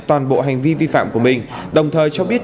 toàn bộ hành vi vi phạm của mình đồng thời cho biết